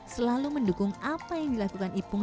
selalu mendukung apa yang dilakukan ipung